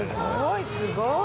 すごい！